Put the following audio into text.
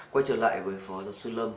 quay trở lại với phó giáo sư lâm